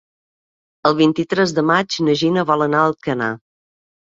El vint-i-tres de maig na Gina vol anar a Alcanar.